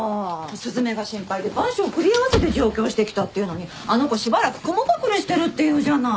雀が心配で万障繰り合わせて上京してきたっていうのにあの子しばらく雲隠れしてるっていうじゃない。